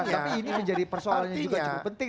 tapi ini menjadi persoalannya juga cukup penting